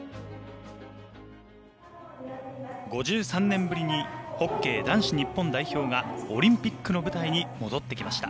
５３年ぶりにホッケー日本男子代表がオリンピックの舞台に戻ってきました。